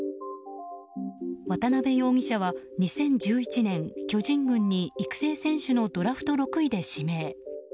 渡辺容疑者は２０１１年巨人軍に育成選手のドラフト６位で指名。